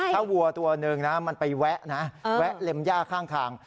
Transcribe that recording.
ถ้าวัวตัวหนึ่งนะมันไปแวะนะแวะเล็มย่าข้างทาง